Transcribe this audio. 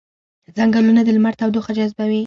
ځنګلونه د لمر تودوخه جذبوي